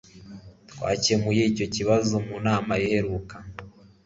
Twakemuye icyo kibazo mu nama iheruka